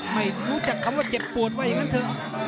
ไม่รู้จักคำว่าเจ็บปวดว่าอย่างนั้นเถอะ